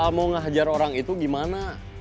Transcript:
kalau mau ngehajar orang itu gimana